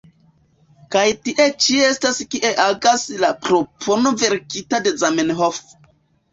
Kaj tie ĉi estas kie agas la propono verkita de Zamenhof.